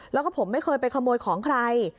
แล้วก็ผมไม่เคยไปขโมยของใคร